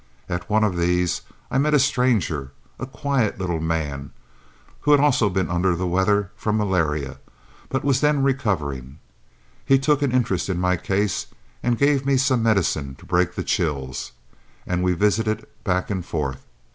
At one of these I met a stranger, a quiet little man, who also had been under the weather from malaria, but was then recovering. He took an interest in my case and gave me some medicine to break the chills, and we visited back and forth.